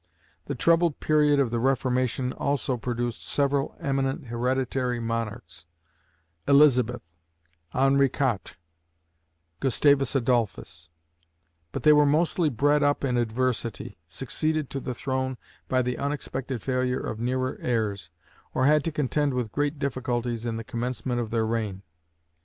The troubled period of the Reformation also produced several eminent hereditary monarchs Elizabeth, Henri Quatre, Gustavus Adolphus; but they were mostly bred up in adversity, succeeded to the throne by the unexpected failure of nearer heirs, or had to contend with great difficulties in the commencement of their reign.